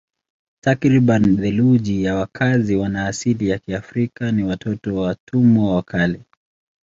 Takriban theluthi ya wakazi wana asili ya Kiafrika ni watoto wa watumwa wa kale.